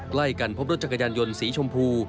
ใกล้กันพบรถจักรยานยนต์สีชมพู